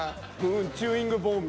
「うんチューイングボーン！」